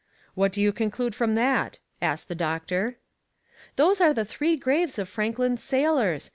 "What do you conclude from that?" asked the doctor. "Those are the three graves of Franklin's sailors.